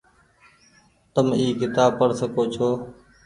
تم اي ڪتاب پڙ سکو ڇو۔